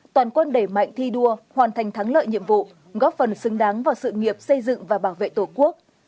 toàn quân đẩy mạnh thi đua hoàn thành thắng lợi nhiệm vụ góp phần xứng đáng vào sự nghiệp xây dựng và bảo vệ tổ quốc